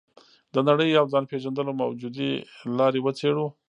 د نړۍ او ځان پېژندلو موجودې لارې وڅېړو.